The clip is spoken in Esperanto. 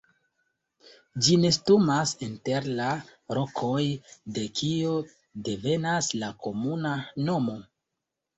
Ĝi nestumas inter la rokoj de kio devenas la komuna nomo.